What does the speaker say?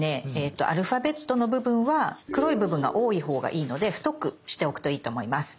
アルファベットの部分は黒い部分が多いほうがいいので太くしておくといいと思います。